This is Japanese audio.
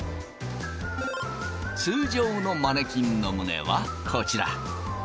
通常のマネキンの胸はこちら。